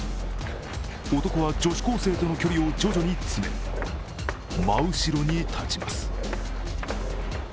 男は女子高生との距離を徐々に詰め、真後ろに立ちます。